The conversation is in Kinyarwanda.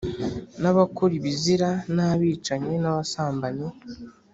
n’abakora ibizira n’abicanyi, n’abasambanyi